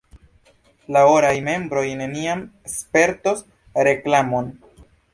La oraj membroj neniam spertos reklamon.